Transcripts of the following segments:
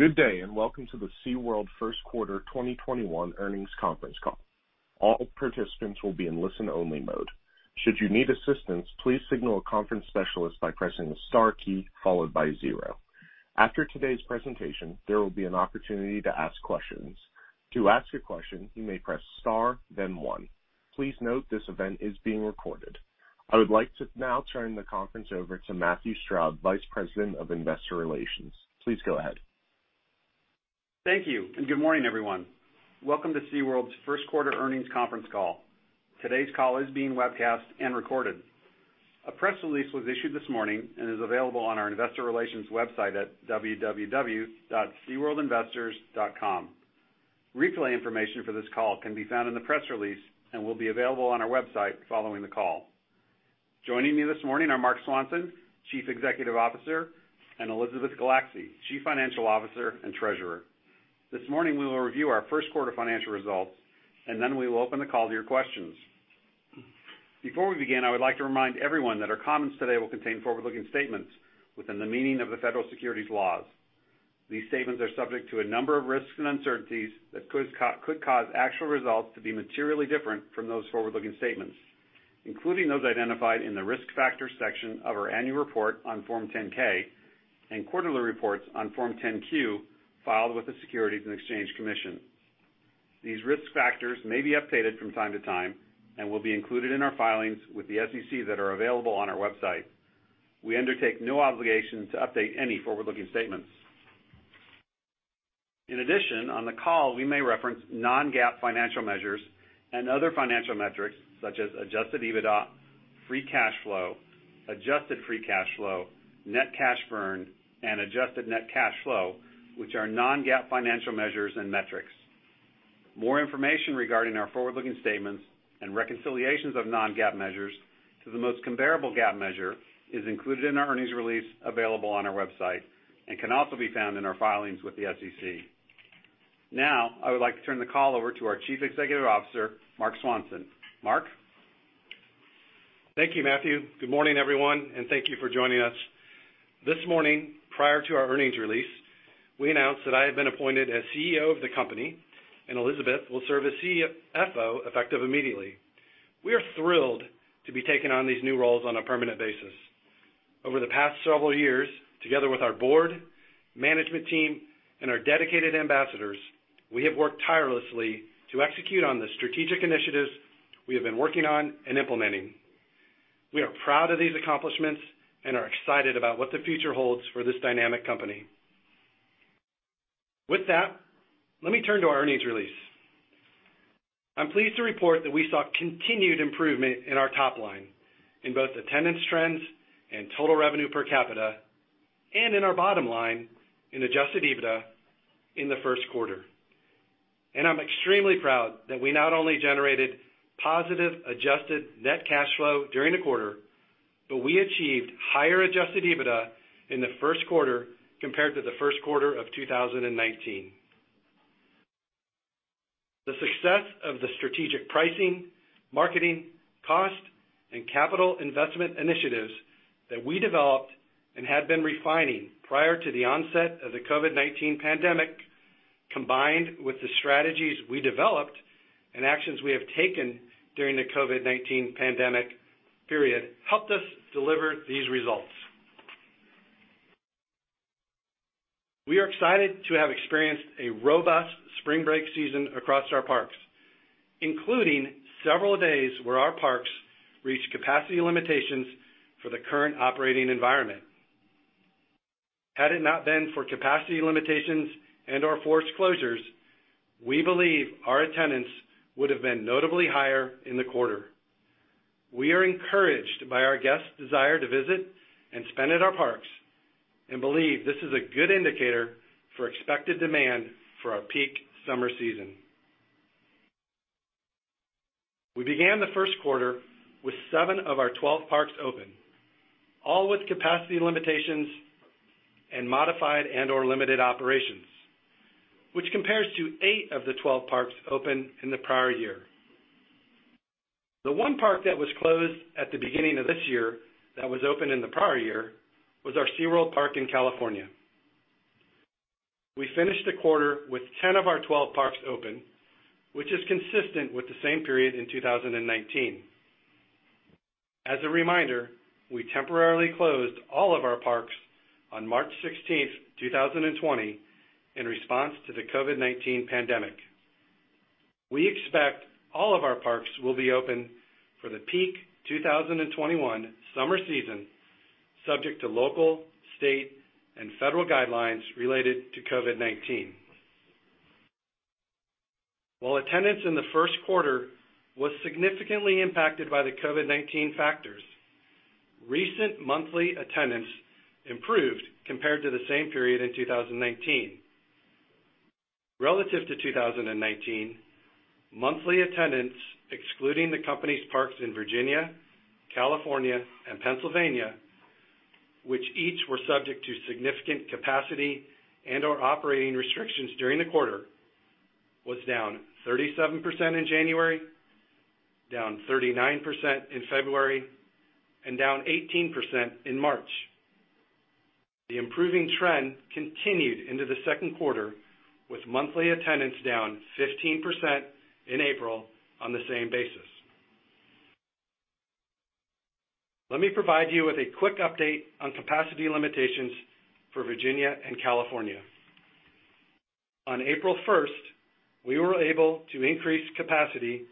Good day, and welcome to the United Parks & Resorts First Quarter 2021 Earnings Conference Call. I would like to now turn the conference over to Matthew Stroud, Vice President of Investor Relations. Please go ahead. Thank you, and good morning, everyone. Welcome to SeaWorld's First Quarter Earnings Conference Call. Today's call is being webcast and recorded. A press release was issued this morning and is available on our investor relations website at www.seaworldinvestors.com. Replay information for this call can be found in the press release and will be available on our website following the call. Joining me this morning are Marc Swanson, Chief Executive Officer, and Elizabeth Castro Gulacsy, Chief Financial Officer and Treasurer. This morning, we will review our first quarter financial results, and then we will open the call to your questions. Before we begin, I would like to remind everyone that our comments today will contain forward-looking statements within the meaning of the federal securities laws. These statements are subject to a number of risks and uncertainties that could cause actual results to be materially different from those forward-looking statements, including those identified in the Risk Factors section of our annual report on Form 10-K and quarterly reports on Form 10-Q filed with the Securities and Exchange Commission. These risk factors may be updated from time to time and will be included in our filings with the SEC that are available on our website. We undertake no obligation to update any forward-looking statements. In addition, on the call, we may reference non-GAAP financial measures and other financial metrics such as Adjusted EBITDA, Free Cash Flow, Adjusted Free Cash Flow, Net Cash Burn, and Adjusted Net Cash Flow, which are non-GAAP financial measures and metrics. More information regarding our forward-looking statements and reconciliations of non-GAAP measures to the most comparable GAAP measure is included in our earnings release available on our website and can also be found in our filings with the SEC. Now, I would like to turn the call over to our Chief Executive Officer, Marc Swanson. Marc? Thank you, Matthew. Good morning, everyone, and thank you for joining us. This morning, prior to our earnings release, we announced that I have been appointed as CEO of the company and Elizabeth will serve as CFO effective immediately. We are thrilled to be taking on these new roles on a permanent basis. Over the past several years, together with our board, management team, and our dedicated ambassadors, we have worked tirelessly to execute on the strategic initiatives we have been working on and implementing. We are proud of these accomplishments and are excited about what the future holds for this dynamic company. With that, let me turn to our earnings release. I'm pleased to report that we saw continued improvement in our top line in both attendance trends and total revenue per capita, and in our bottom line in Adjusted EBITDA in the first quarter. I'm extremely proud that we not only generated positive Adjusted Net Cash Flow during the quarter, but we achieved higher Adjusted EBITDA in the first quarter compared to the first quarter of 2019. The success of the strategic pricing, marketing, cost, and capital investment initiatives that we developed and had been refining prior to the onset of the COVID-19 pandemic, combined with the strategies we developed and actions we have taken during the COVID-19 pandemic period, helped us deliver these results. We are excited to have experienced a robust spring break season across our parks, including several days where our parks reached capacity limitations for the current operating environment. Had it not been for capacity limitations and/or forced closures, we believe our attendance would have been notably higher in the quarter. We are encouraged by our guests' desire to visit and spend at our parks and believe this is a good indicator for expected demand for our peak summer season. We began the first quarter with seven of our 12 parks open, all with capacity limitations and modified and/or limited operations, which compares to eight of the 12 parks open in the prior year. The one park that was closed at the beginning of this year that was open in the prior year was our SeaWorld park in California. We finished the quarter with 10 of our 12 parks open, which is consistent with the same period in 2019. As a reminder, we temporarily closed all of our parks on March 16, 2020, in response to the COVID-19 pandemic. We expect all of our parks will be open for the peak 2021 summer season, subject to local, state, and federal guidelines related to COVID-19. While attendance in the first quarter was significantly impacted by the COVID-19 factors, recent monthly attendance improved compared to the same period in 2019. Relative to 2019, monthly attendance, excluding the company's parks in Virginia, California, and Pennsylvania, which each were subject to significant capacity and/or operating restrictions during the quarter, was down 37% in January, down 39% in February, and down 18% in March. The improving trend continued into the second quarter with monthly attendance down 15% in April on the same basis. Let me provide you with a quick update on capacity limitations for Virginia and California. On April 1st, we were able to increase capacity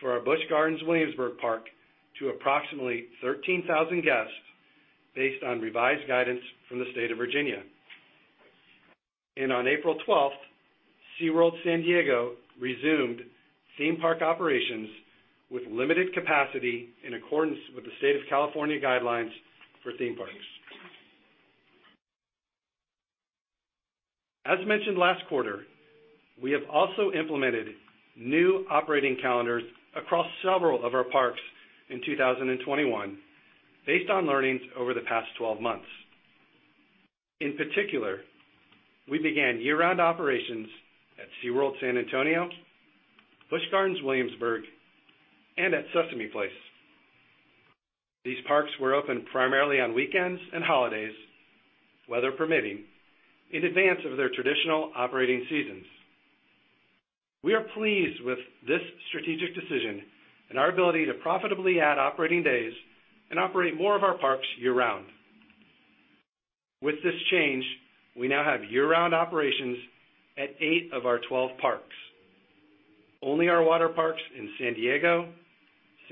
for our Busch Gardens Williamsburg Park to approximately 13,000 guests based on revised guidance from the state of Virginia. On April 12th, SeaWorld San Diego resumed theme park operations with limited capacity in accordance with the state of California guidelines for theme parks. As mentioned last quarter, we have also implemented new operating calendars across several of our parks in 2021 based on learnings over the past 12 months. In particular, we began year-round operations at SeaWorld San Antonio, Busch Gardens Williamsburg, and at Sesame Place. These parks were open primarily on weekends and holidays, weather permitting, in advance of their traditional operating seasons. We are pleased with this strategic decision and our ability to profitably add operating days and operate more of our parks year-round. With this change, we now have year-round operations at eight of our 12 parks. Only our water parks in San Diego,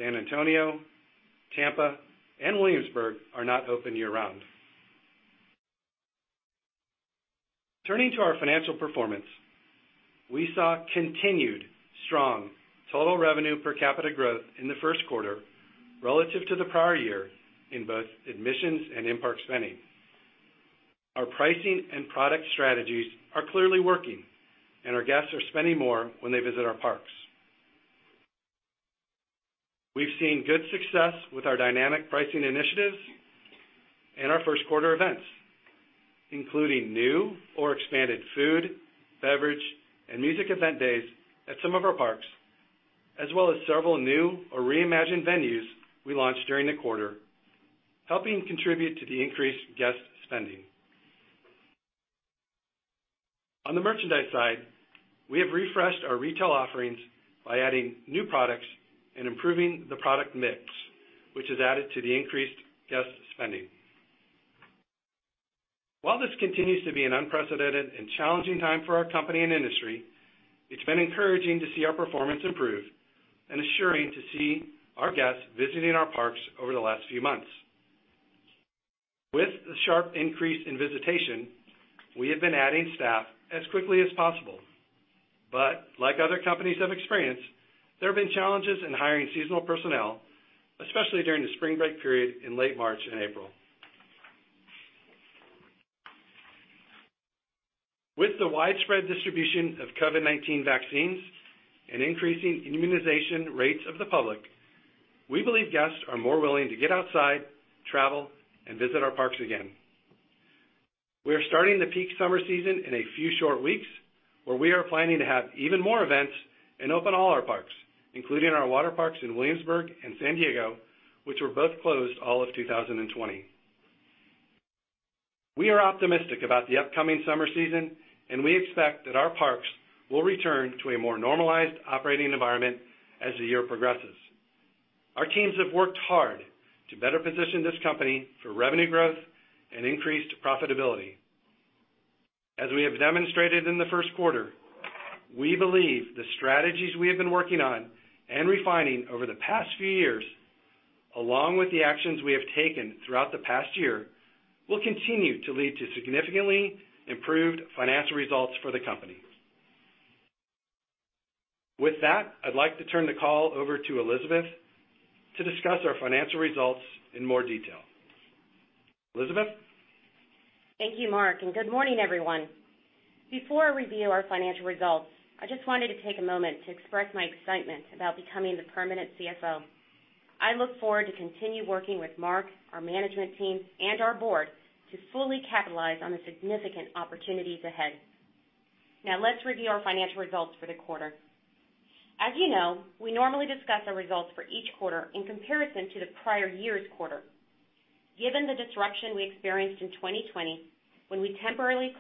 San Antonio, Tampa, and Williamsburg are not open year-round. Turning to our financial performance, we saw continued strong total revenue per capita growth in the first quarter relative to the prior year in both admissions and in-park spending. Our pricing and product strategies are clearly working, and our guests are spending more when they visit our parks. We've seen good success with our dynamic pricing initiatives and our first quarter events, including new or expanded food, beverage, and music event days at some of our parks, as well as several new or reimagined venues we launched during the quarter, helping contribute to the increased guest spending. On the merchandise side, we have refreshed our retail offerings by adding new products and improving the product mix, which has added to the increased guest spending. While this continues to be an unprecedented and challenging time for our company and industry, it's been encouraging to see our performance improve and assuring to see our guests visiting our parks over the last few months. With the sharp increase in visitation, we have been adding staff as quickly as possible. Like other companies have experienced, there have been challenges in hiring seasonal personnel, especially during the spring break period in late March and April. With the widespread distribution of COVID-19 vaccines and increasing immunization rates of the public, we believe guests are more willing to get outside, travel, and visit our parks again. We are starting the peak summer season in a few short weeks, where we are planning to have even more events and open all our parks, including our water parks in Williamsburg and San Diego, which were both closed all of 2020. We are optimistic about the upcoming summer season, and we expect that our parks will return to a more normalized operating environment as the year progresses. Our teams have worked hard to better position this company for revenue growth and increased profitability. As we have demonstrated in the first quarter, we believe the strategies we have been working on and refining over the past few years, along with the actions we have taken throughout the past year, will continue to lead to significantly improved financial results for the company. With that, I'd like to turn the call over to Elizabeth to discuss our financial results in more detail. Elizabeth? Thank you, Marc, Good morning, everyone. Before I review our financial results, I just wanted to take a moment to express my excitement about becoming the permanent CFO. I look forward to continue working with Marc, our management team, and our board to fully capitalize on the significant opportunities ahead. Now let's review our financial results for the quarter. As you know, we normally discuss our results for each quarter in comparison to the prior year's quarter. Given the disruption we experienced in 2020 when we temporarily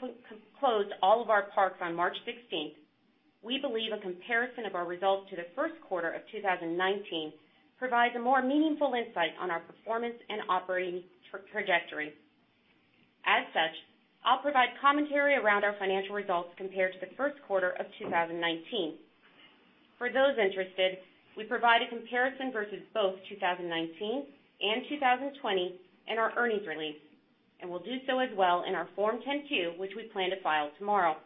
closed all of our parks on March 16th, we believe a comparison of our results to the first quarter of 2019 provides a more meaningful insight on our performance and operating trajectory. As such, I'll provide commentary around our financial results compared to the first quarter of 2019. For those interested, we provide a comparison versus both 2019 and 2020 in our earnings release, and will do so as well in our Form 10-Q, which we plan to file tomorrow.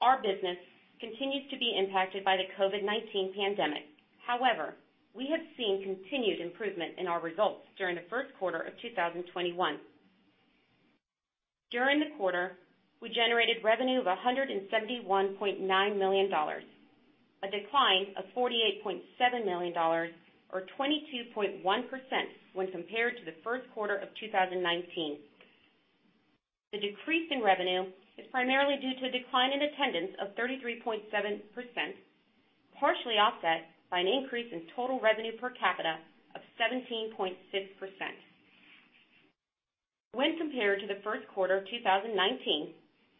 Our business continues to be impacted by the COVID-19 pandemic. However, we have seen continued improvement in our results during the first quarter of 2021. During the quarter, we generated revenue of $171.9 million, a decline of $48.7 million or 22.1% when compared to the first quarter of 2019. The decrease in revenue is primarily due to a decline in attendance of 33.7%, partially offset by an increase in total revenue per capita of 17.6%. When compared to the first quarter of 2019,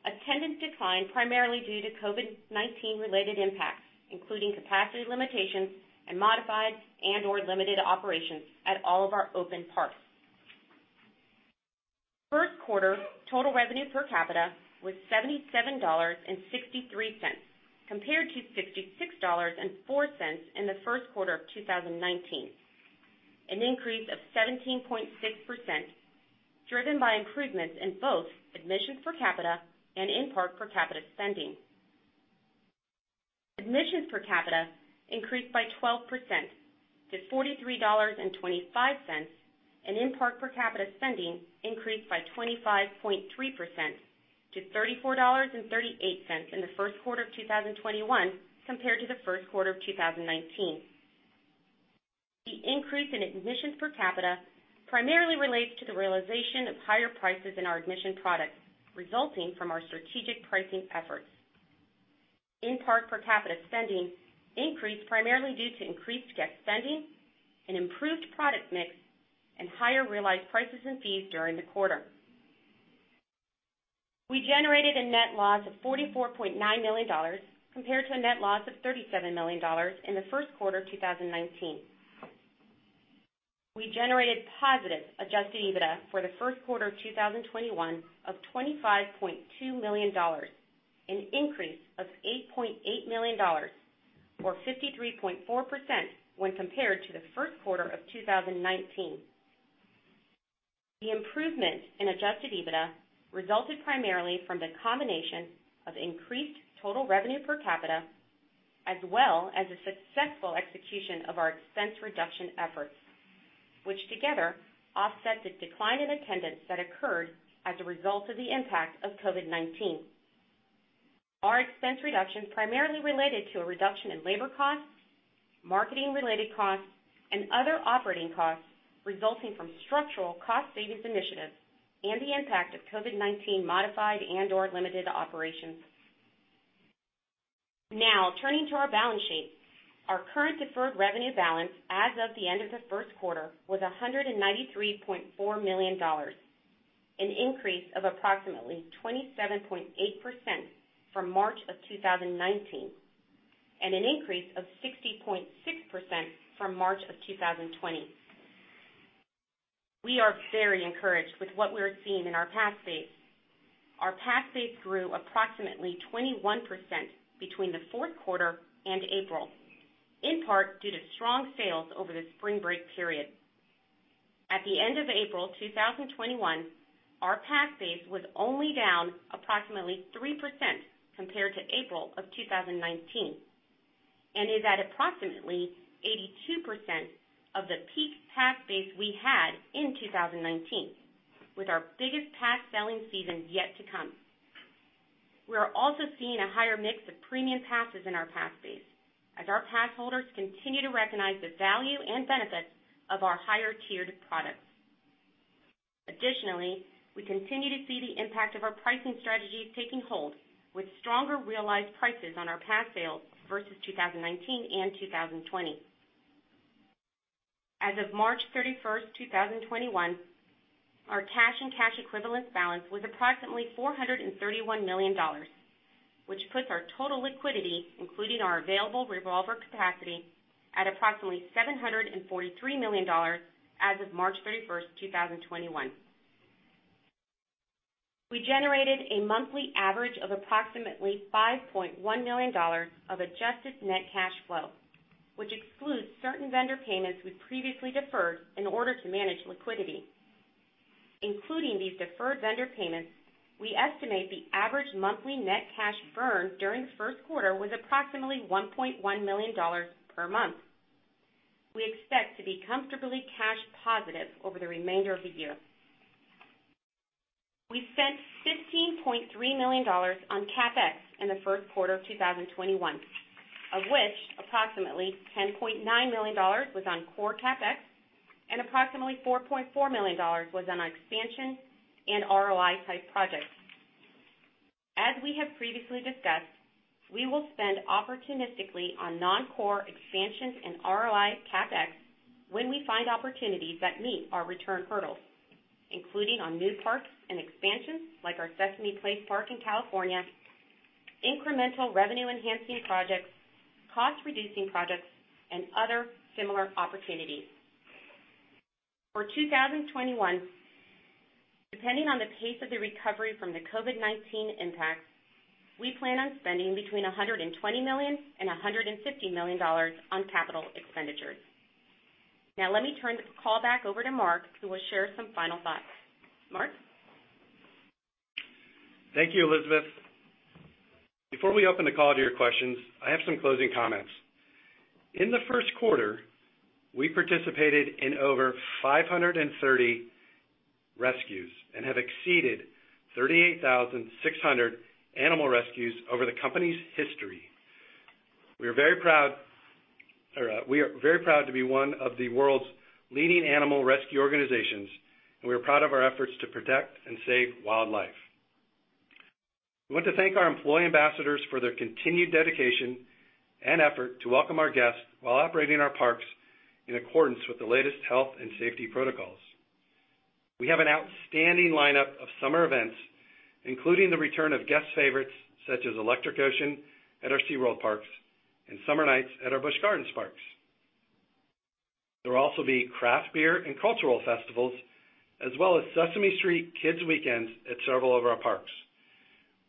attendance declined primarily due to COVID-19 related impacts, including capacity limitations and modified and/or limited operations at all of our open parks. First quarter total revenue per capita was $77.63 compared to $66.04 in the first quarter of 2019, an increase of 17.6% driven by improvements in both admissions per capita and in-park per capita spending. Admissions per capita increased by 12% to $43.25 and in-park per capita spending increased by 25.3% to $34.38 in the first quarter of 2021 compared to the first quarter of 2019. The increase in admissions per capita primarily relates to the realization of higher prices in our admission products, resulting from our strategic pricing efforts. In-park per capita spending increased primarily due to increased guest spending and improved product mix and higher realized prices and fees during the quarter. We generated a net loss of $44.9 million compared to a net loss of $37 million in the first quarter of 2019. We generated positive Adjusted EBITDA for the first quarter of 2021 of $25.2 million, an increase of $8.8 million, or 53.4% when compared to the first quarter of 2019. The improvement in Adjusted EBITDA resulted primarily from the combination of increased total revenue per capita as well as the successful execution of our expense reduction efforts, which together offset the decline in attendance that occurred as a result of the impact of COVID-19. Our expense reduction primarily related to a reduction in labor costs, marketing-related costs, and other operating costs resulting from structural cost savings initiatives and the impact of COVID-19 modified and or limited operations. Now, turning to our balance sheet. Our current deferred revenue balance as of the end of the first quarter was $193.4 million, an increase of approximately 27.8% from March of 2019, and an increase of 60.6% from March of 2020. We are very encouraged with what we're seeing in our pass base. Our pass base grew approximately 21% between the fourth quarter and April, in part due to strong sales over the spring break period. At the end of April 2021, our pass base was only down approximately 3% compared to April of 2019 and is at approximately 82% of the peak pass base we had in 2019 with our biggest pass selling season yet to come. We are also seeing a higher mix of premium passes in our pass base as our pass holders continue to recognize the value and benefits of our higher tiered products. Additionally, we continue to see the impact of our pricing strategies taking hold with stronger realized prices on our pass sales versus 2019 and 2020. As of March 31st, 2021, our cash and cash equivalents balance was approximately $431 million, which puts our total liquidity, including our available revolver capacity, at approximately $743 million as of March 31st, 2021. We generated a monthly average of approximately $5.1 million of Adjusted Net Cash Flow, which excludes certain vendor payments we previously deferred in order to manage liquidity. Including these deferred vendor payments, we estimate the average monthly net cash burn during the first quarter was approximately $1.1 million per month. We expect to be comfortably cash positive over the remainder of the year. We spent $15.3 million on CapEx in the first quarter of 2021, of which approximately $10.9 million was on core CapEx and approximately $4.4 million was on our expansion and ROI type projects. As we have previously discussed, we will spend opportunistically on non-core expansions and ROI CapEx when we find opportunities that meet our return hurdles, including on new parks and expansions like our Sesame Place park in California, incremental revenue-enhancing projects, cost-reducing projects, and other similar opportunities. For 2021, depending on the pace of the recovery from the COVID-19 impacts, we plan on spending between $120 million and $150 million on capital expenditures. Let me turn this call back over to Marc, who will share some final thoughts. Marc? Thank you, Elizabeth. Before we open the call to your questions, I have some closing comments. In the first quarter, we participated in over 530 rescues and have exceeded 38,600 animal rescues over the company's history. We are very proud to be one of the world's leading animal rescue organizations, and we are proud of our efforts to protect and save wildlife. We want to thank our employee ambassadors for their continued dedication and effort to welcome our guests while operating our parks in accordance with the latest health and safety protocols. We have an outstanding lineup of summer events, including the return of guest favorites such as Electric Ocean at our SeaWorld parks and Summer Nights at our Busch Gardens parks. There will also be craft beer and cultural festivals, as well as Sesame Street Kids' Weekends at several of our parks.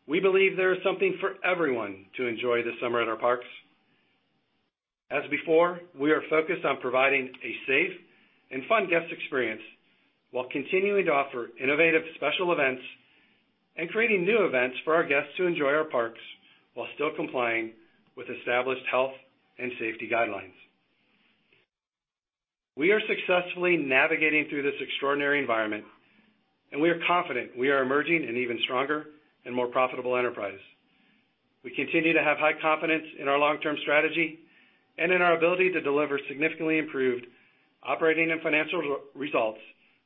We believe there is something for everyone to enjoy this summer at our parks. As before, we are focused on providing a safe and fun guest experience while continuing to offer innovative special events and creating new events for our guests to enjoy our parks while still complying with established health and safety guidelines. We are successfully navigating through this extraordinary environment, and we are confident we are emerging an even stronger and more profitable enterprise. We continue to have high confidence in our long-term strategy and in our ability to deliver significantly improved operating and financial results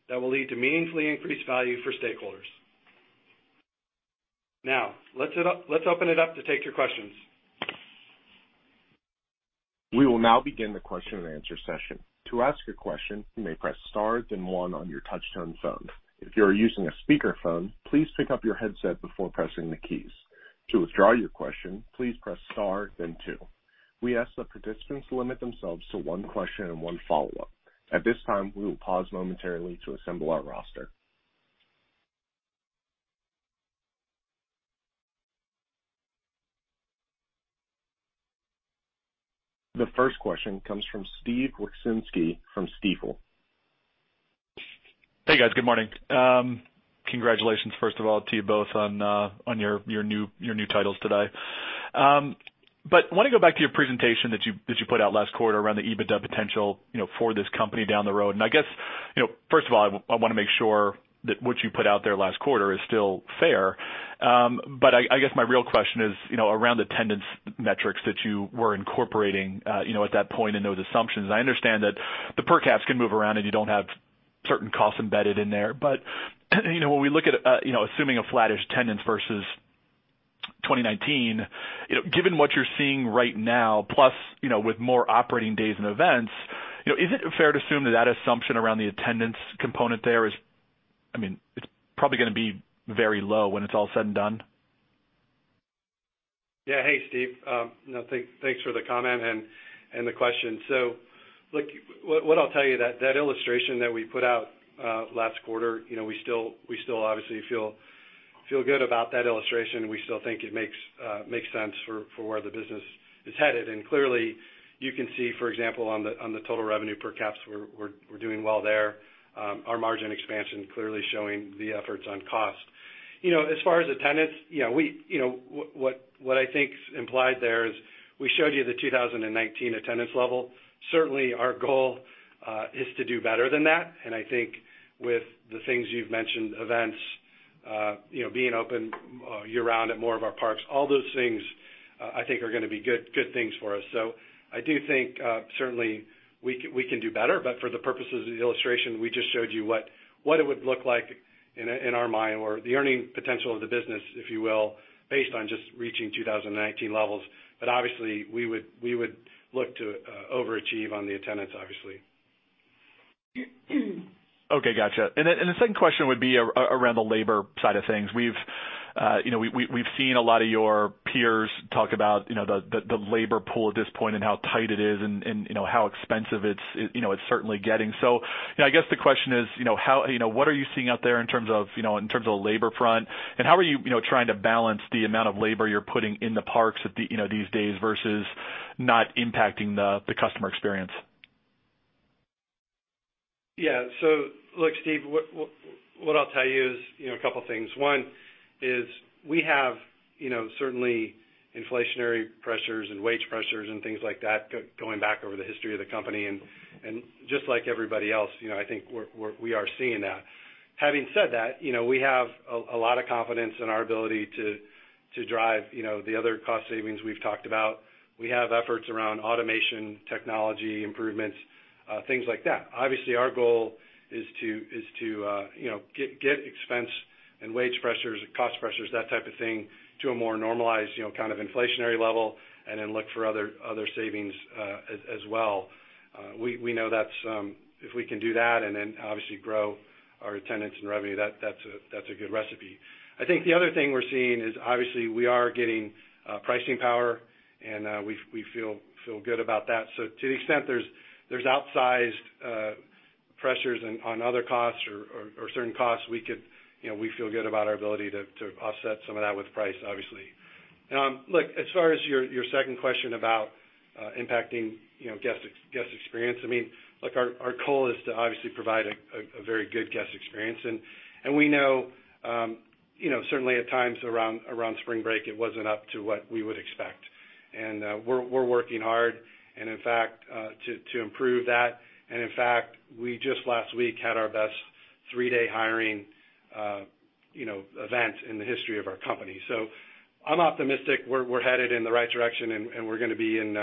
that will lead to meaningfully increased value for stakeholders. Now, let's open it up to take your questions. We will now begin the question-and-answer session. We ask that participants limit themselves to one question and one follow-up. At this time, we will pause momentarily to assemble our roster. The first question comes from Steve Wieczynski from Stifel. Hey, guys. Good morning. Congratulations, first of all, to you both on your new titles today. I want to go back to your presentation that you put out last quarter around the EBITDA potential for this company down the road. I guess, first of all, I want to make sure that what you put out there last quarter is still fair. I guess my real question is around attendance metrics that you were incorporating at that point in those assumptions. I understand that the per caps can move around, and you don't have certain costs embedded in there. When we look at assuming a flattish attendance versus 2019, given what you're seeing right now, plus with more operating days and events, is it fair to assume that that assumption around the attendance component there is probably going to be very low when it's all said and done? Yeah. Hey, Steve. Thanks for the comment and the question. Look, what I'll tell you, that illustration that we put out last quarter, we still obviously feel good about that illustration, and we still think it makes sense for where the business is headed. Clearly, you can see, for example, on the total revenue per caps, we're doing well there. Our margin expansion clearly showing the efforts on cost. As far as attendance, what I think is implied there is we showed you the 2019 attendance level. Certainly, our goal is to do better than that. I think with the things you've mentioned, events, being open year-round at more of our parks, all those things I think are going to be good things for us. I do think certainly we can do better, but for the purposes of the illustration, we just showed you what it would look like in our mind, or the earning potential of the business, if you will, based on just reaching 2019 levels. Obviously, we would look to overachieve on the attendance, obviously. Okay, gotcha. The second question would be around the labor side of things. We've seen a lot of your peers talk about the labor pool at this point and how tight it is and how expensive it's certainly getting. I guess the question is, what are you seeing out there in terms of the labor front, and how are you trying to balance the amount of labor you're putting in the parks these days versus not impacting the customer experience? Yeah. Look, Steve, what I'll tell you is a couple of things. One is we have certainly inflationary pressures and wage pressures and things like that going back over the history of the company. Just like everybody else, I think we are seeing that. Having said that, we have a lot of confidence in our ability to drive the other cost savings we've talked about. We have efforts around automation, technology improvements, things like that. Obviously, our goal is to get expense and wage pressures, cost pressures, that type of thing, to a more normalized kind of inflationary level and then look for other savings as well. We know that if we can do that and then obviously grow our attendance and revenue, that's a good recipe. I think the other thing we're seeing is obviously we are getting pricing power, and we feel good about that. To the extent there's outsized pressures on other costs or certain costs, we feel good about our ability to offset some of that with price, obviously. Look, as far as your second question about impacting guest experience, our goal is to obviously provide a very good guest experience, and we know certainly at times around Spring Break, it wasn't up to what we would expect. We're working hard to improve that. In fact, we just last week had our best three-day hiring event in the history of our company. I'm optimistic we're headed in the right direction, and we're going to be in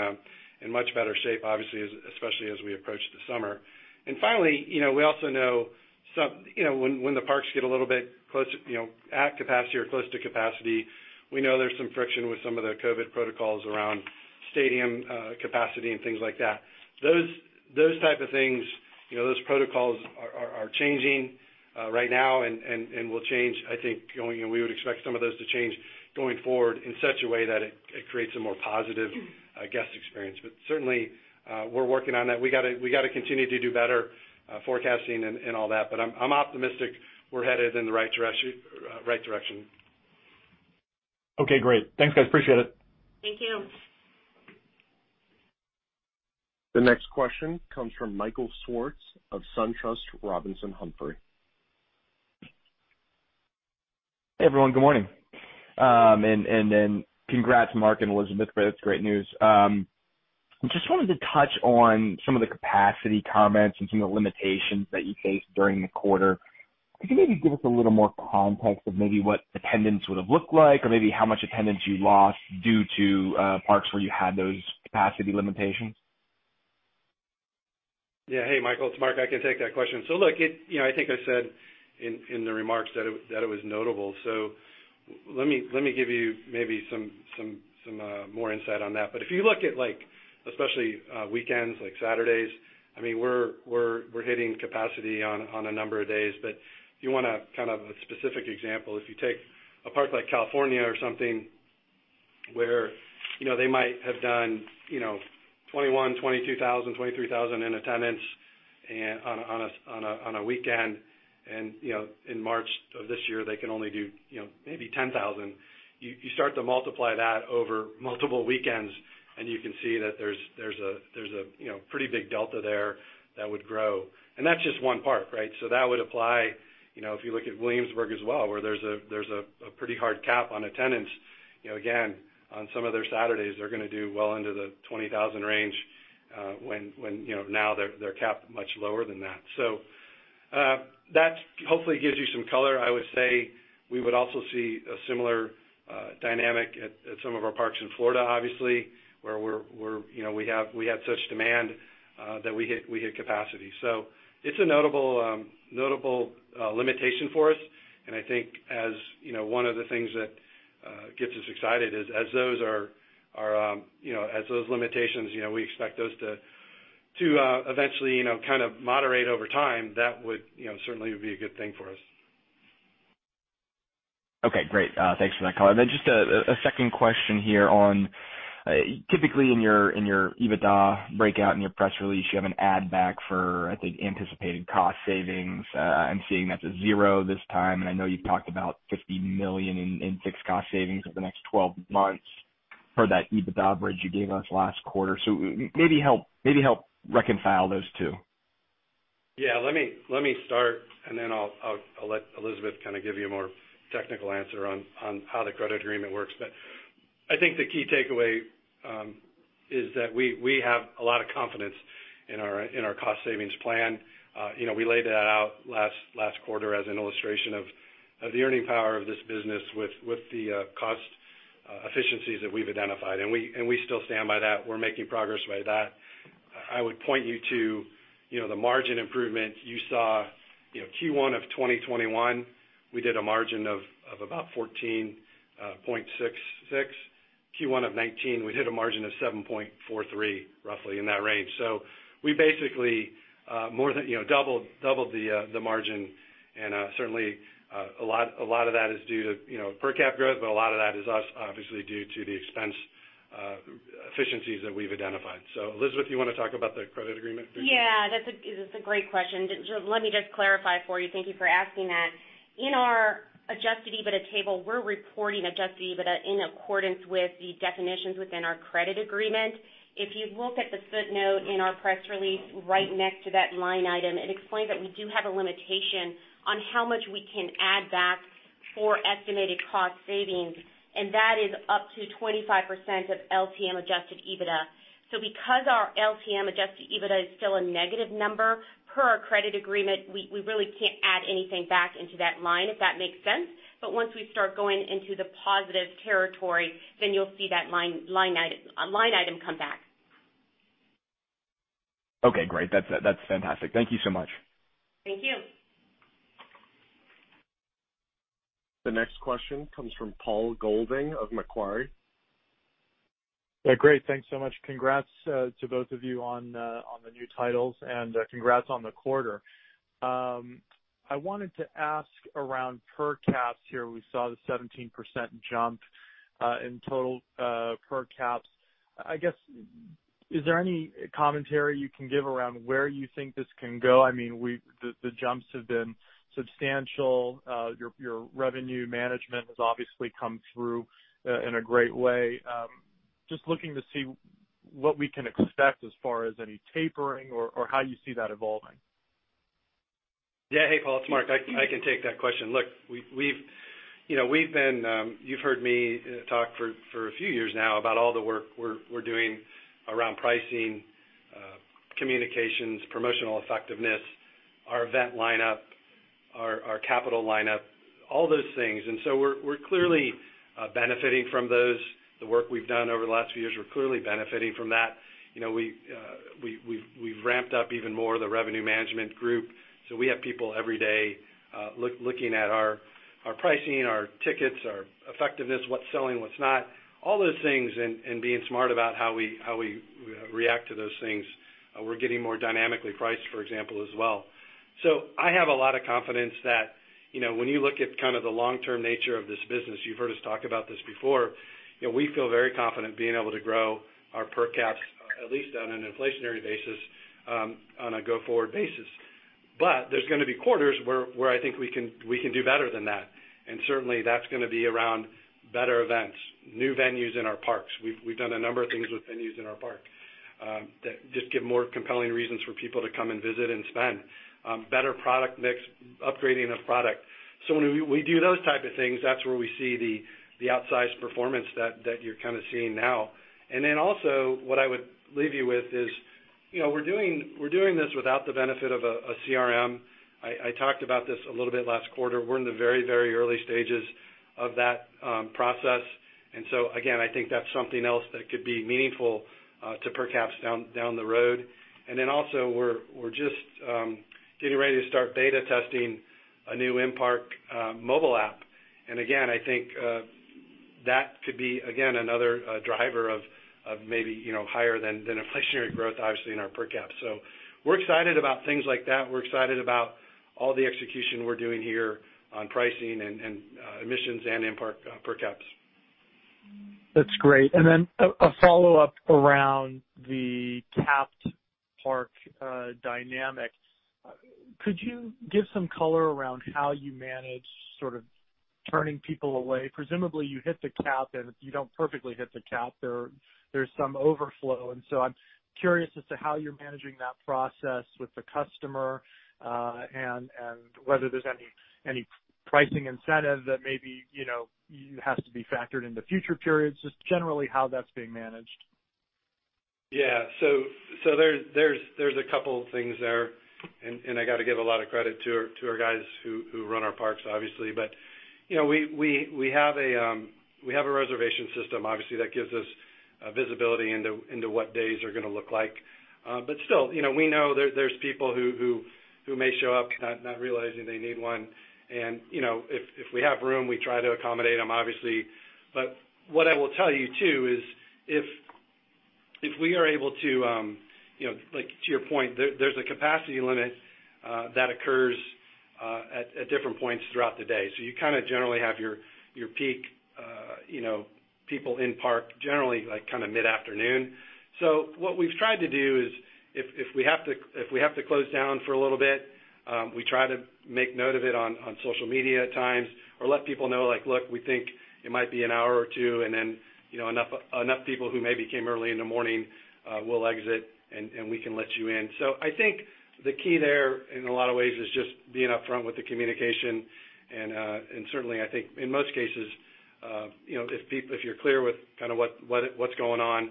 much better shape, obviously, especially as we approach the summer. Finally, we also know when the parks get a little bit at capacity or close to capacity, we know there's some friction with some of the COVID protocols around stadium capacity and things like that. Those type of things, those protocols are changing right now and will change, I think. We would expect some of those to change going forward in such a way that it creates a more positive guest experience. Certainly, we're working on that. We got to continue to do better forecasting and all that, but I'm optimistic we're headed in the right direction. Okay, great. Thanks, guys. Appreciate it. Thank you. The next question comes from Michael Swartz of SunTrust Robinson Humphrey. Hey, everyone. Good morning. Congrats, Marc and Elizabeth. That's great news. Just wanted to touch on some of the capacity comments and some of the limitations that you faced during the quarter. Could you maybe give us a little more context of maybe what attendance would have looked like, or maybe how much attendance you lost due to parks where you had those capacity limitations? Yeah. Hey, Michael, it's Marc. I can take that question. Look, I think I said in the remarks that it was notable. Let me give you maybe some more insight on that. If you look at especially weekends, like Saturdays, we're hitting capacity on a number of days. If you want a specific example, if you take a park like California or something, where they might have done 21,000, 22,000, 23,000 in attendance on a weekend, and in March of this year, they can only do maybe 10,000. You start to multiply that over multiple weekends, and you can see that there's a pretty big delta there that would grow. That's just one park, right? That would apply if you look at Williamsburg as well, where there's a pretty hard cap on attendance. Again, on some of their Saturdays, they're going to do well into the 20,000 range, when now they're capped much lower than that. That hopefully gives you some color. I would say we would also see a similar dynamic at some of our parks in Florida, obviously, where we had such demand that we hit capacity. It's a notable limitation for us, and I think as one of the things that gets us excited is as those limitations, we expect those to eventually kind of moderate over time. That would certainly be a good thing for us. Okay, great. Thanks for that color. Just a second question here on, typically in your EBITDA breakout, in your press release, you have an add back for, I think, anticipated cost savings. I'm seeing that's a zero this time, and I know you've talked about $50 million in fixed cost savings over the next 12 months per that EBITDA bridge you gave us last quarter. Maybe help reconcile those two. Let me start, and then I'll let Elizabeth kind of give you a more technical answer on how the credit agreement works. I think the key takeaway is that we have a lot of confidence in our cost savings plan. We laid that out last quarter as an illustration of the earning power of this business with the cost efficiencies that we've identified, and we still stand by that. We're making progress by that. I would point you to the margin improvement you saw. Q1 2021, we did a margin of about 14.66%. Q1 2019, we hit a margin of 7.43%, roughly in that range. We basically more than doubled the margin, and certainly a lot of that is due to per cap growth, but a lot of that is obviously due to the expense efficiencies that we've identified. Elizabeth, you want to talk about the credit agreement piece? Yeah. That's a great question. Let me just clarify for you. Thank you for asking that. In our Adjusted EBITDA table, we're reporting Adjusted EBITDA in accordance with the definitions within our credit agreement. If you look at the footnote in our press release right next to that line item, it explains that we do have a limitation on how much we can add back for estimated cost savings. That is up to 25% of LTM Adjusted EBITDA. Because our LTM Adjusted EBITDA is still a negative number, per our credit agreement, we really can't add anything back into that line, if that makes sense. Once we start going into the positive territory, then you'll see that line item come back. Great. That's fantastic. Thank you so much. Thank you. The next question comes from Paul Golding of Macquarie. Great. Thanks so much. Congrats to both of you on the new titles, and congrats on the quarter. I wanted to ask around per caps here. We saw the 17% jump in total per caps. I guess, is there any commentary you can give around where you think this can go? The jumps have been substantial. Your revenue management has obviously come through in a great way. Just looking to see what we can expect as far as any tapering or how you see that evolving. Hey, Paul, it's Marc. I can take that question. Look, you've heard me talk for a few years now about all the work we're doing around pricing, communications, promotional effectiveness, our event lineup, our capital lineup, all those things. We're clearly benefiting from those. The work we've done over the last few years, we're clearly benefiting from that. We've ramped up even more the revenue management group. We have people every day looking at our pricing, our tickets, our effectiveness, what's selling, what's not, all those things, and being smart about how we react to those things. We're getting more dynamically priced, for example, as well. I have a lot of confidence that when you look at kind of the long-term nature of this business, you've heard us talk about this before, we feel very confident being able to grow our per caps, at least on an inflationary basis, on a go-forward basis. There's going to be quarters where I think we can do better than that. Certainly, that's going to be around better events, new venues in our parks. We've done a number of things with venues in our park that just give more compelling reasons for people to come and visit and spend. Better product mix, upgrading of product. When we do those type of things, that's where we see the outsized performance that you're kind of seeing now. Then also what I would leave you with is, we're doing this without the benefit of a CRM. I talked about this a little bit last quarter. We're in the very early stages of that process. Again, I think that's something else that could be meaningful to per caps down the road. Also we're just getting ready to start beta testing a new in-park mobile app. Again, I think that could be another driver of maybe higher than inflationary growth, obviously, in our per cap. We're excited about things like that. We're excited about all the execution we're doing here on pricing and admissions and in-park per caps. That's great. A follow-up around the capped park dynamic. Could you give some color around how you manage sort of turning people away? Presumably, you hit the cap, and if you don't perfectly hit the cap, there's some overflow. I'm curious as to how you're managing that process with the customer, and whether there's any pricing incentive that maybe has to be factored into future periods. Just generally how that's being managed. Yeah. There's a couple things there, and I got to give a lot of credit to our guys who run our parks, obviously. We have a reservation system, obviously, that gives us visibility into what days are going to look like. Still, we know there's people who may show up not realizing they need one. If we have room, we try to accommodate them, obviously. What I will tell you, too, is like, to your point, there's a capacity limit that occurs at different points throughout the day. You kind of generally have your peak people in park generally, kind of mid-afternoon. What we've tried to do is if we have to close down for a little bit, we try to make note of it on social media at times or let people know, "Look, we think it might be an hour or two," and then enough people who maybe came early in the morning will exit, and we can let you in. I think the key there, in a lot of ways, is just being upfront with the communication. Certainly, I think in most cases, if you're clear with kind of what's going on,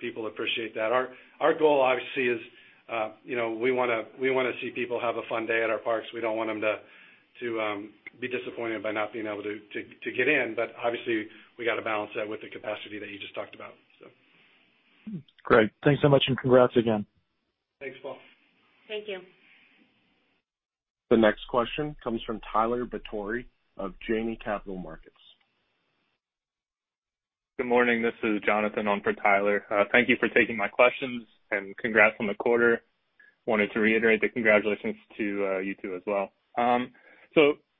people appreciate that. Our goal, obviously, is we want to see people have a fun day at our parks. We don't want them to be disappointed by not being able to get in. Obviously, we got to balance that with the capacity that you just talked about. Great. Thanks so much, and congrats again. Thanks, Paul. Thank you. The next question comes from Tyler Batory of Janney Capital Markets. Good morning. This is Jonathan on for Tyler. Thank you for taking my questions, and congrats on the quarter. Wanted to reiterate the congratulations to you two as well.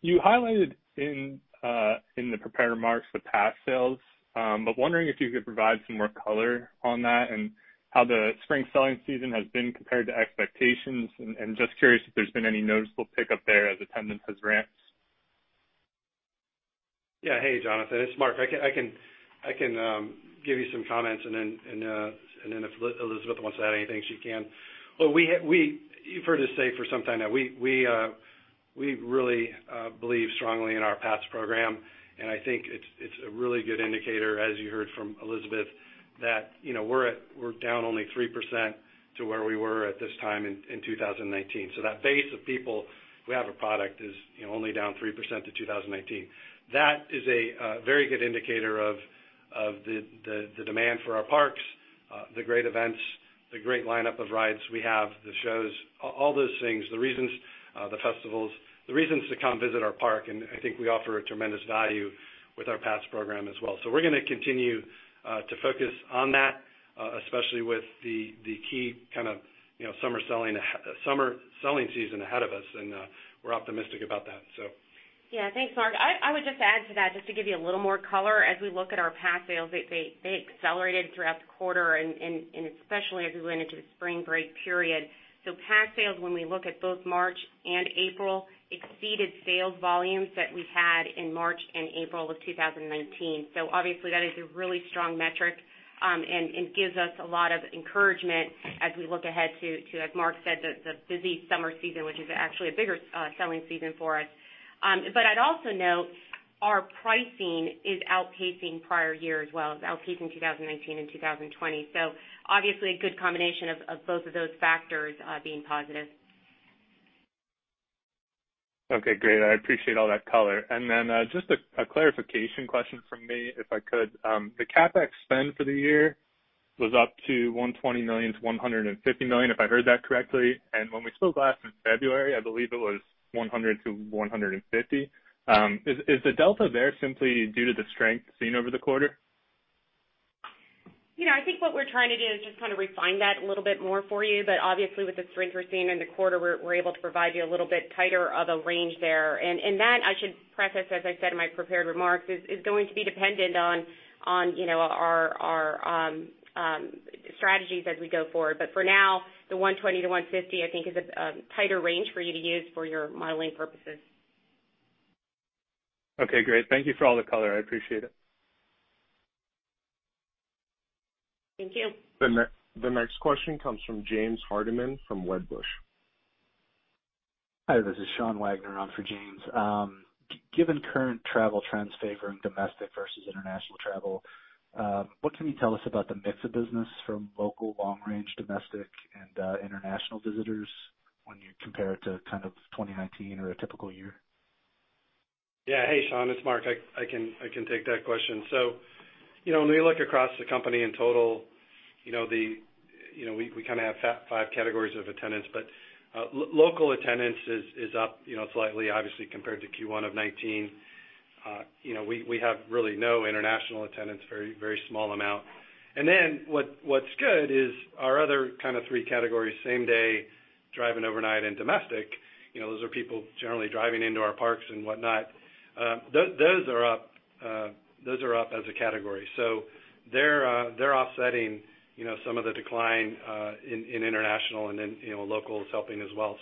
You highlighted in the prepared remarks the pass sales. Wondering if you could provide some more color on that and how the spring selling season has been compared to expectations, and just curious if there's been any noticeable pickup there as attendance has ramped. Hey, Jonathan, it's Marc. I can give you some comments, and then if Elizabeth wants to add anything, she can. You've heard us say for some time that we really believe strongly in our pass program, and I think it's a really good indicator, as you heard from Elizabeth, that we're down only 3% to where we were at this time in 2019. That base of people who have a product is only down 3% to 2019. That is a very good indicator of the demand for our parks, the great events, the great lineup of rides we have, the shows, all those things, the reasons, the festivals, the reasons to come visit our park. I think we offer a tremendous value with our pass program as well. We're going to continue to focus on that, especially with the key kind of summer selling season ahead of us, and we're optimistic about that. Yeah. Thanks, Marc. I would just add to that, just to give you a little more color. As we look at our pass sales, they accelerated throughout the quarter and especially as we went into the spring break period. Pass sales, when we look at both March and April, exceeded sales volumes that we had in March and April of 2019. Obviously, that is a really strong metric and gives us a lot of encouragement as we look ahead to, as Marc said, the busy summer season, which is actually a bigger selling season for us. I'd also note. Our pricing is outpacing prior year as well. It's outpacing 2019 and 2020. Obviously, a good combination of both of those factors being positive. Okay, great. I appreciate all that color. Just a clarification question from me, if I could. The CapEx spend for the year was up to $120 million to $150 million, if I heard that correctly. When we spoke last in February, I believe it was $100 million to $150 million. Is the delta there simply due to the strength seen over the quarter? I think what we're trying to do is just kind of refine that a little bit more for you. Obviously, with the strength we're seeing in the quarter, we're able to provide you a little bit tighter of a range there. That, I should preface, as I said in my prepared remarks, is going to be dependent on our strategies as we go forward. For now, the 120-150, I think, is a tighter range for you to use for your modeling purposes. Okay, great. Thank you for all the color. I appreciate it. Thank you. The next question comes from James Hardiman from Wedbush. Hi, this is Sean Wagner on for James. Given current travel trends favoring domestic versus international travel, what can you tell us about the mix of business from local, long-range, domestic, and international visitors when you compare it to kind of 2019 or a typical year? Hey, Sean, it's Marc. I can take that question. When we look across the company in total, we kind of have five categories of attendance, but local attendance is up slightly, obviously, compared to Q1 of 2019. We have really no international attendance, a very small amount. What's good is our other kind of three categories, same-day, drive-in overnight and domestic, those are people generally driving into our parks and whatnot. Those are up as a category. They're offsetting some of the decline in international, and then local is helping as well.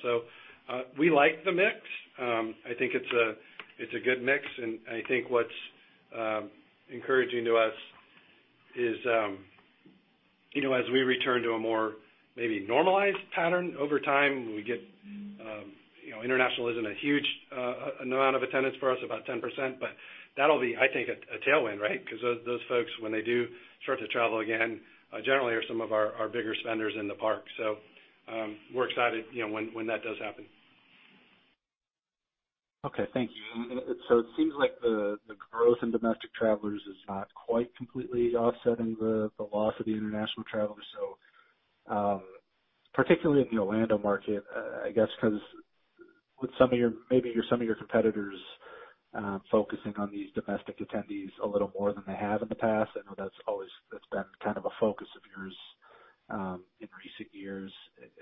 We like the mix. I think it's a good mix, and I think what's encouraging to us is as we return to a more maybe normalized pattern over time, international isn't a huge amount of attendance for us, about 10%, but that'll be, I think, a tailwind, right? Those folks, when they do start to travel again, generally are some of our bigger spenders in the park. We're excited when that does happen. Okay. Thank you. It seems like the growth in domestic travelers is not quite completely offsetting the loss of the international travelers. Particularly in the Orlando market, I guess, because with maybe some of your competitors focusing on these domestic attendees a little more than they have in the past, I know that's been kind of a focus of yours in recent years.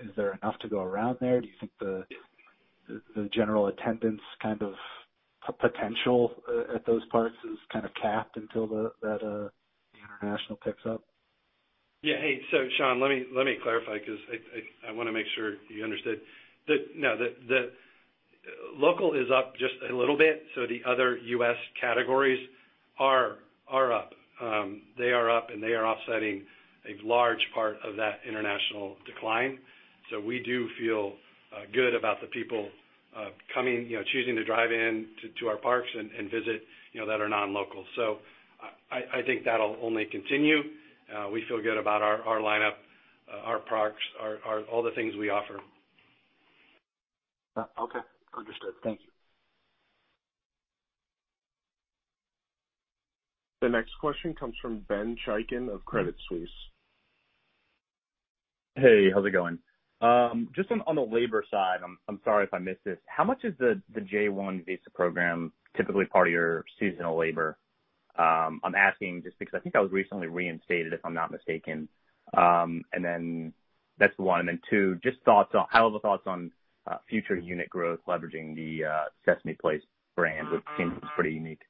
Is there enough to go around there? Do you think the general attendance kind of potential at those parks is kind of capped until the international picks up? Sean, let me clarify because I want to make sure you understood. No. The local is up just a little bit, the other U.S. categories are up. They are up, they are offsetting a large part of that international decline. We do feel good about the people coming, choosing to drive in to our parks and visit that are non-local. I think that'll only continue. We feel good about our lineup, our parks, all the things we offer. Okay. Understood. Thank you. The next question comes from Ben Chaiken of Credit Suisse. Hey, how's it going? Just on the labor side, I'm sorry if I missed this. How much is the J-1 visa program typically part of your seasonal labor? I'm asking just because I think that was recently reinstated, if I'm not mistaken. That's one, and then two, just thoughts on future unit growth leveraging the Sesame Place brand, which seems pretty unique?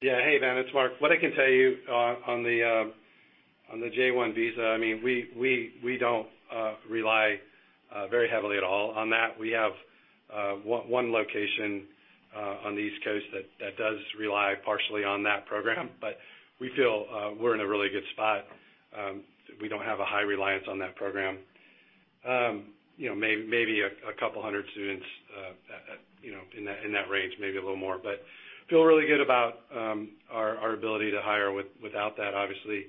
Yeah. Hey, Ben, it's Marc. What I can tell you on the J-1 visa, we don't rely very heavily at all on that. We have one location on the East Coast that does rely partially on that program, but we feel we're in a really good spot. We don't have a high reliance on that program. Maybe a couple hundred students, in that range, maybe a little more, but feel really good about our ability to hire without that, obviously.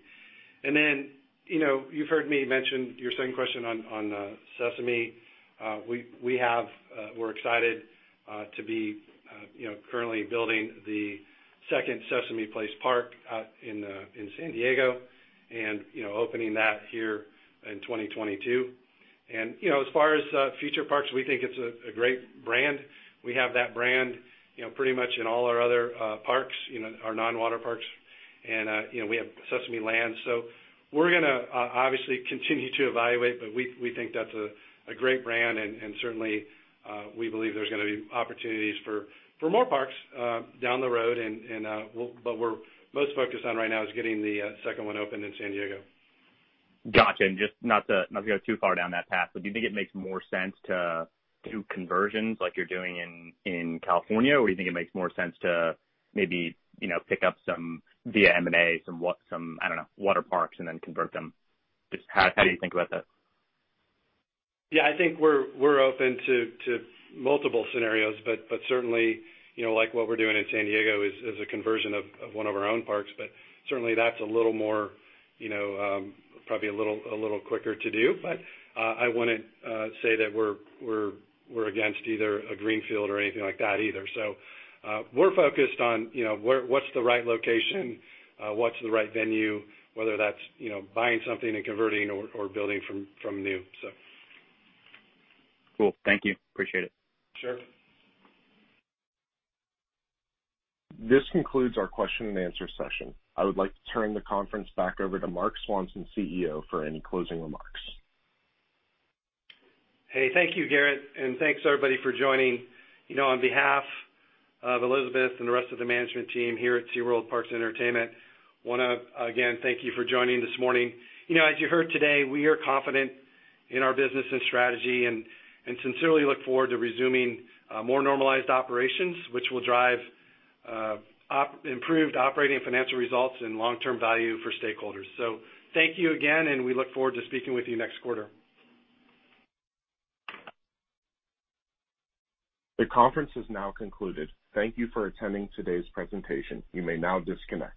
Then, you've heard me mention your second question on Sesame. We're excited to be currently building the second Sesame Place park in San Diego and opening that here in 2022. As far as future parks, we think it's a great brand. We have that brand pretty much in all our other parks, our non-water parks, and we have Sesame Land. We're going to obviously continue to evaluate, but we think that's a great brand, and certainly, we believe there's going to be opportunities for more parks down the road. We're most focused on right now is getting the second one opened in San Diego. Gotcha. Just not to go too far down that path, but do you think it makes more sense to do conversions like you're doing in California? Do you think it makes more sense to maybe pick up some via M&A, some, I don't know, water parks and then convert them? Just how do you think about that? Yeah, I think we're open to multiple scenarios, certainly, like what we're doing in San Diego is a conversion of one of our own parks, certainly that's a little more, probably a little quicker to do. I wouldn't say that we're against either a greenfield or anything like that either. We're focused on what's the right location, what's the right venue, whether that's buying something and converting or building from new. Cool. Thank you. Appreciate it. Sure. This concludes our question-and-answer session. I would like to turn the conference back over to Marc Swanson, CEO, for any closing remarks. Hey, thank you, Garrett. Thanks everybody for joining. On behalf of Elizabeth and the rest of the management team here at United Parks & Resorts, we want to again thank you for joining this morning. As you heard today, we are confident in our business and strategy and sincerely look forward to resuming more normalized operations, which will drive improved operating and financial results and long-term value for stakeholders. Thank you again. We look forward to speaking with you next quarter. The conference is now concluded. Thank you for attending today's presentation. You may now disconnect.